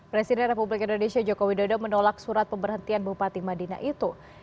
presiden republik indonesia joko widodo menolak surat pemberhentian bupati madinah itu